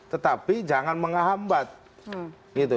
tetapi jangan menghambat